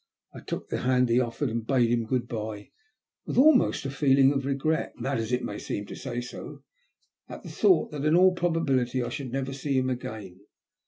I took the hand he offered and bade him good bye with almost a feeling of regret, mad as it may seem to say so, at the thought that in all probability I should never see him again.